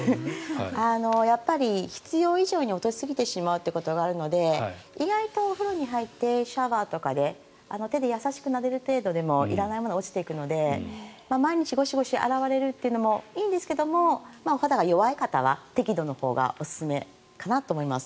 やっぱり必要以上に落としすぎてしまうことがあるので意外と、お風呂に入ってシャワーとかで手でやさしくなでる程度でもいらないものが落ちていくので、毎日ゴシゴシ洗われるのもいいですがお肌が弱い方は適度なほうがおすすめかなと思います。